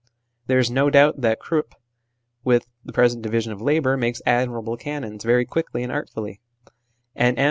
There is no doubt that Krupp, with the present division of labour, makes admirable cannons very quickly and art fully ; N. M.